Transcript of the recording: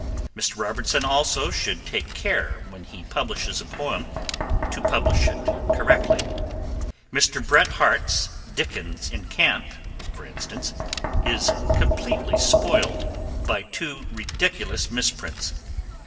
Mr. Robertson, also, should take care when he publishes a poem to publish it correctly. Mr. Bret Harte's Dickens in Camp, for instance, is completely spoiled by two ridiculous misprints.